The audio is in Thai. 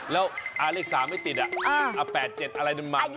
แล้วอ่าเลข๓ไม่ติดอ่ะอ่า๘๗อะไรนั้นมาไง